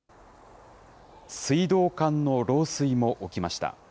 水道管の漏水も起きました。